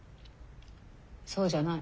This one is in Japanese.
そうじゃない。